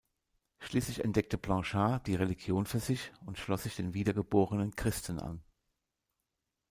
Schließlich entdeckte Blanchard die Religion für sich und schloss sich den Wiedergeborenen Christen an.